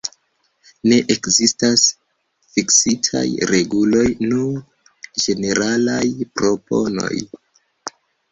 Ne ekzistas fiksitaj reguloj, nur ĝeneralaj proponoj.